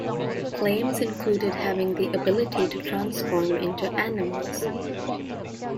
Claims included having the ability to transform into animals.